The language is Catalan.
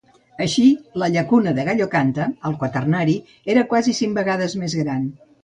Així, la Llacuna de Gallocanta al quaternari era quasi cinc vegades més gran.